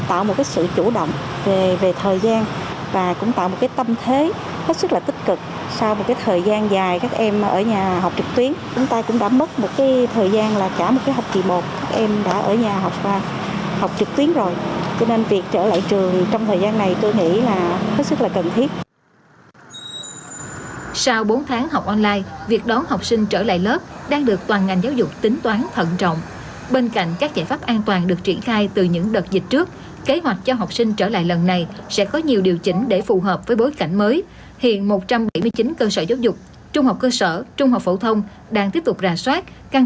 tạo một sự chủ động về thời gian và cũng tạo một tâm thế rất là tích cực sau một thời gian dài các em ở nhà học trực tuyến